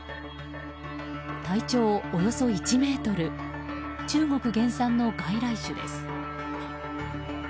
体長およそ１ｍ中国原産の外来種です。